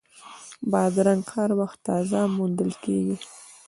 بادرنګ هر وخت تازه موندل کېږي.